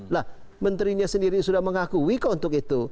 nah menterinya sendiri sudah mengakui untuk itu